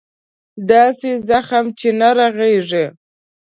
داسې زخم چې نه رغېږي.